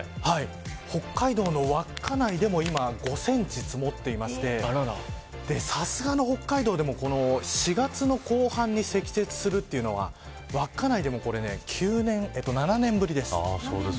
北海道の稚内でも今、５センチ積もっていましてさすがの北海道でも４月の後半に積雪するというのは稚内でも７年ぶりです。